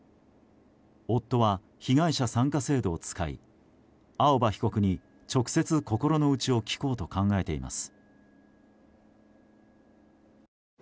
夫は被害者参加制度を使い青葉被告に直接心の内を聞こうと考えています。